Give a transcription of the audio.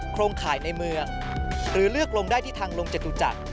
โครงข่ายในเมืองหรือเลือกลงได้ที่ทางลงจตุจักร